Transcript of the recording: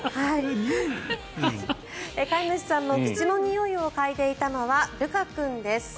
飼い主さんの口のにおいを嗅いでいたのはルカ君です。